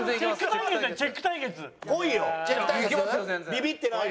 ビビってないで。